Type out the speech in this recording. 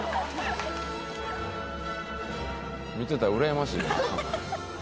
見てたらうらやましいな。